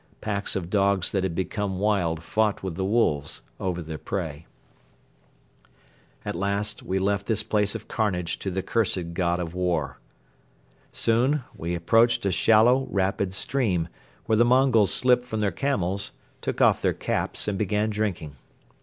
Packs of dogs that had become wild fought with the wolves over the prey. At last we left this place of carnage to the cursed god of war. Soon we approached a shallow, rapid stream, where the Mongols slipped from their camels, took off their caps and began drinking.